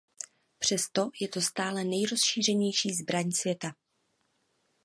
Přesto je to stále nejrozšířenější zbraň světa.